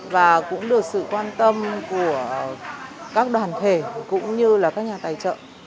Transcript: và cũng được sự quan tâm của các đoàn thể cũng như là các nhà tài trợ